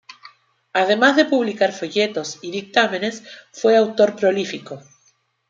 Además de publicar folletos y dictámenes fue autor prolífico.